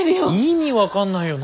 意味分かんないよ。